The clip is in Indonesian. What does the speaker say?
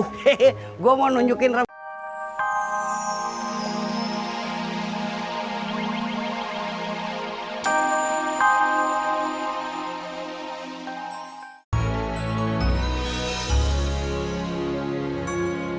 hehehe gua mau nunjukin ramai